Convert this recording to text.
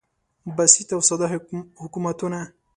بسیط او ساده حکومتونه